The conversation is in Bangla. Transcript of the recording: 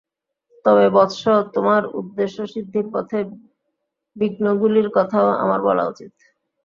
তবে বৎস, তোমার উদ্দেশ্যসিদ্ধির পথে বিঘ্নগুলির কথাও আমার বলা উচিত।